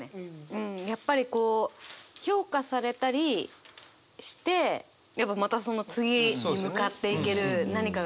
うんやっぱりこう評価されたりしてやっぱまたその次に向かっていける何かが見えるというか。